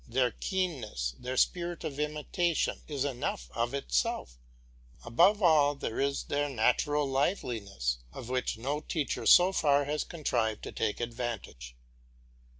Their keenness, their spirit of imitation, is enough of itself; above all, there is their natural liveliness, of which no teacher so far has contrived to take advantage.